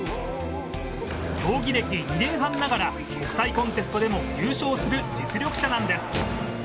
競技歴２年半ながら国際コンテストでも優勝する実力者なんです。